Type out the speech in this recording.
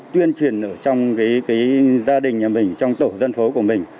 tuyên truyền ở trong gia đình nhà mình trong tổ dân phố của mình